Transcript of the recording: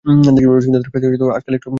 রসিকদাদার রসিকতা আজকাল একটু শক্ত হয়ে আসছে!